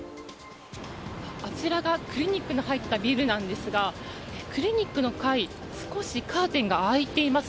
あちらがクリニックの入ったビルなんですがクリニックの階少しカーテンが開いています。